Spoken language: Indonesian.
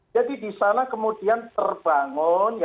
jadi di sana kemudian terbangun